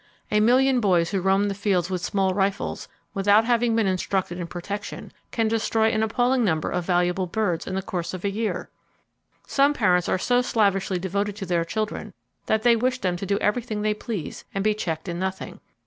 A million boys who roam the fields with small rifles without having been instructed in protection, can destroy an appalling number of valuable birds in the course of a year. Some parents are so slavishly devoted to their children that they wish them to do everything they please, and be checked in nothing.